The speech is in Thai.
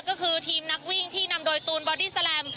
ก็คือทีมนักวิ่งที่นำโดยตูนบอดี้แลม